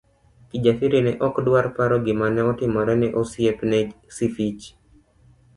Kijasiri ne ok dwar paro gima notimore ne osiepne Sifichi.